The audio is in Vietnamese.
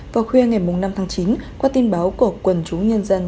vào khuya ngày năm tháng chín qua tin báo của quần chúng nhân dân